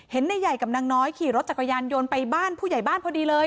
นายใหญ่กับนางน้อยขี่รถจักรยานยนต์ไปบ้านผู้ใหญ่บ้านพอดีเลย